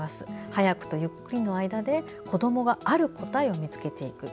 「はやく」と「ゆっくり」の間で子どもがある答えを見つけていく。